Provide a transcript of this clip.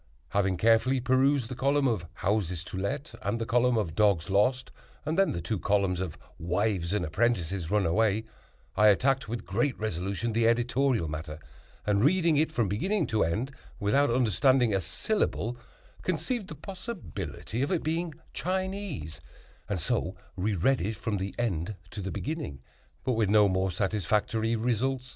Having carefully perused the column of "houses to let," and the column of "dogs lost," and then the two columns of "wives and apprentices runaway," I attacked with great resolution the editorial matter, and, reading it from beginning to end without understanding a syllable, conceived the possibility of its being Chinese, and so re read it from the end to the beginning, but with no more satisfactory result.